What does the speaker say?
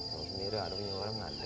sawah sendiri ada punya orang gak ada